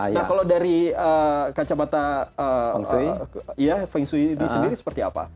nah kalau dari kacamata feng shui ini sendiri seperti apa